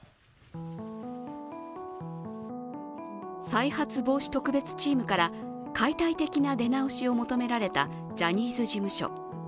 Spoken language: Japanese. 再発防止特別チームから解体的な出直しを求められたジャニーズ事務所。